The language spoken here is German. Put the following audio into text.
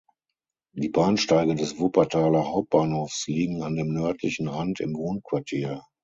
Die Bahnsteige des Wuppertaler Hauptbahnhofs liegen an dem nördlichen Rand im Wohnquartier.